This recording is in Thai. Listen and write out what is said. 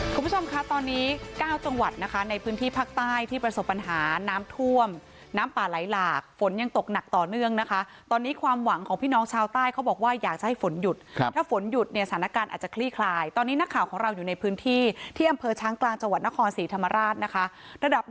คุณผู้ชมคะตอนนี้๙จังหวัดนะคะในพื้นที่ภาคใต้ที่ประสบปัญหาน้ำท่วมน้ำป่าไหลหลากฝนยังตกหนักต่อเนื่องนะคะตอนนี้ความหวังของพี่น้องชาวใต้เขาบอกว่าอยากจะให้ฝนหยุดครับถ้าฝนหยุดเนี่ยสถานการณ์อาจจะคลี่คลายตอนนี้นักข่าวของเราอยู่ในพื้นที่ที่อำเภอช้างกลางจังหวัดนครศรีธรรมราชนะคะระดับ